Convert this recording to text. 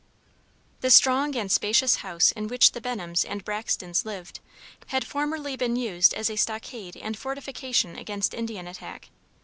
The strong and spacious house in which the Benhams and Braxtons lived had formerly been used as a stockade and fortification against Indian attack.